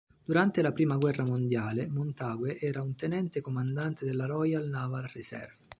Durante la prima guerra mondiale, Montague era un tenente-comandante della Royal Naval Reserve.